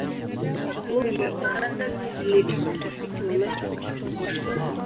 bunge la uganda lilitaka utafiti wa mashtaka ya obote